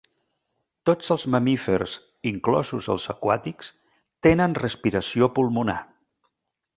Tots els mamífers, inclosos els aquàtics, tenen respiració pulmonar.